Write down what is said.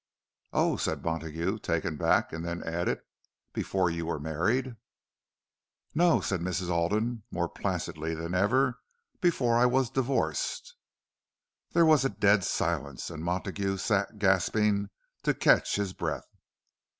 "Oh," said Montague, taken aback; and then added, "Before you were married?" "No," said Mrs. Alden, more placidly than ever, "before I was divorced." There was a dead silence, and Montague sat gasping to catch his breath.